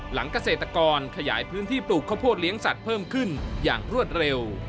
เกษตรกรขยายพื้นที่ปลูกข้าวโพดเลี้ยงสัตว์เพิ่มขึ้นอย่างรวดเร็ว